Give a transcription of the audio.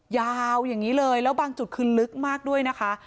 ยาวอย่างนี้เลยแล้วบางจุดคือลึกมากด้วยนะคะ